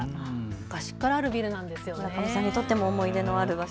昔からあるビルなんですよね。